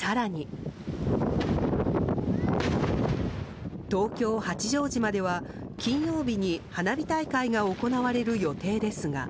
更に、東京・八丈島では金曜日に花火大会が行われる予定ですが。